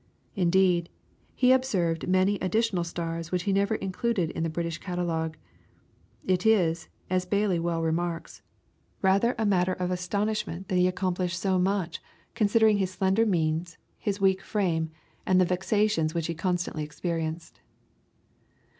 Indeed, he observed many additional stars which he never included in the British Catalogue. It is, as Baily well remarks, "rather a matter of astonishment that he accomplished so much, considering his slender means, his weak frame, and the vexations which he constantly experienced."